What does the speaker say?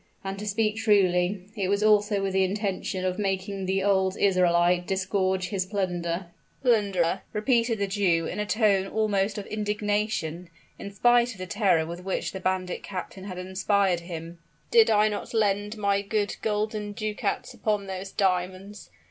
And to speak truly, it was also with the intention of making the old Israelite disgorge his plunder." "Plunder!" repeated the Jew, in a tone almost of indignation, in spite of the terror with which the bandit captain inspired him. "Did I not lend my good golden ducats upon those diamonds?